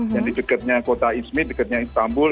yang di dekatnya kota ismith dekatnya istanbul